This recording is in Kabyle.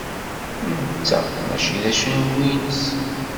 Netta mačči d acengu-ines.